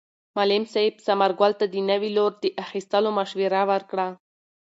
معلم صاحب ثمر ګل ته د نوي لور د اخیستلو مشوره ورکړه.